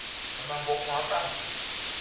Mmema n'gogué mona pam